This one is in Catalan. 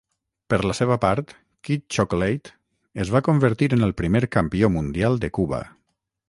Per la seva part, "Kid Chocolate" es va convertir en el primer campió mundial de Cuba.